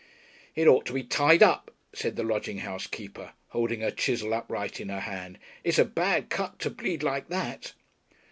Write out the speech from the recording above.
"It ought to be tied up," said the lodging house keeper, holding her chisel upright in her hand. "It's a bad cut to bleed like that."